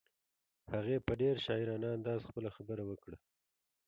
هغې په ډېر شاعرانه انداز خپله خبره وکړه.